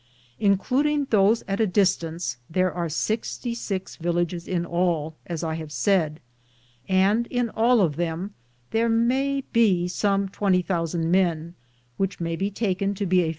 Including those at a distance, there are sixty six vil lages in all, as I have said, and in all of them there may be some 20,000 men, which Cliia), and Cochiti.